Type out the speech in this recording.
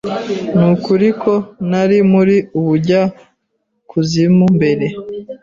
Nukuri ko nari muri ubujyakuzimu mbere